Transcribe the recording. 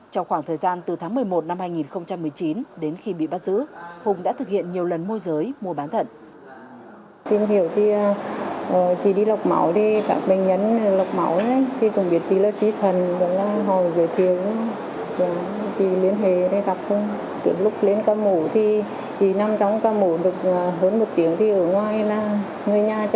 trong khoảng thời gian từ tháng một mươi một năm hai nghìn một mươi chín đến khi bị bắt giữ hùng đã thực hiện nhiều lần môi giới mua bán thận